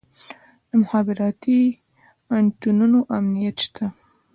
د مخابراتي انتنونو امنیت شته؟